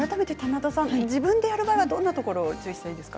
自分でやる場合はどんなところに注意すればいいですか？